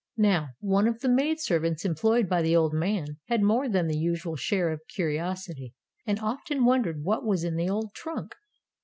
Now, one of the maid servants employed by the old man had more than the usual share of curiosity, and often wondered what was in the old trunk.